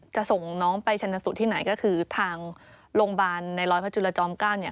จะส่งน้องไปชนสูตรที่ไหนก็คือทางโรงพยาบาลในร้อยพระจุลจอม๙เนี่ย